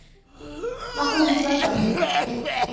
قفلوا بابهم.